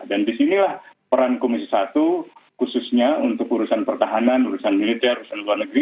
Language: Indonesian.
dan disinilah peran komisi satu khususnya untuk urusan pertahanan urusan militer urusan luar negeri